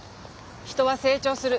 人は成長する。